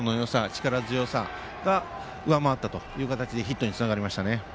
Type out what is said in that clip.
力強さが上回ったという形でヒットにつながりましたね。